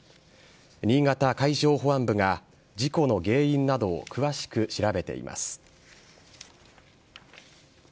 新潟海上保安部が事故の原因などを詳しく調べています。